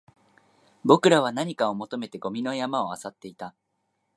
僕らは何かを求めてゴミの山を漁っていた